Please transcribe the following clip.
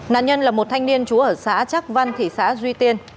nạn nhân là một thanh niên chú ở xã trác văn thị xã duy tiên